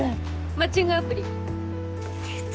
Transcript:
マッチングアプリ。でた。